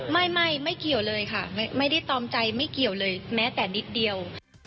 ไม่ไม่เกี่ยวเลยค่ะไม่ได้ตอมใจไม่เกี่ยวเลยแม้แต่นิดเดียว